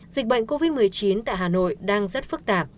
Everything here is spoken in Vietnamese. dịch bệnh covid một mươi chín tại hà nội đang rất phức tạp